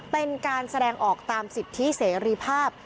เป็นการแสดงออกตามสิทธิเสรีภาพ